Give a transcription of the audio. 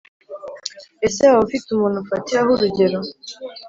ese waba ufite umuntu ufatiraho urugero,